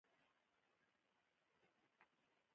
امریکا ته هم وچې میوې ځي.